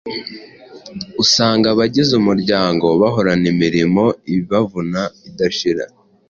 Usanga abagize umuryango bahorana imirimo ibavuna idashira.